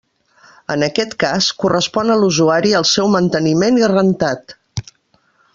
En aquest cas, correspon a l'usuari el seu manteniment i rentat.